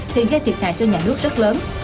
thì gây thiệt hại cho nhà nước rất lớn